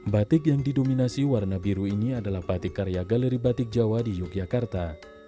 batik yang didominasi warna biru ini adalah batik karya galeri batik jawa di yogyakarta